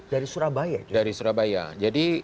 dari surabaya dari surabaya jadi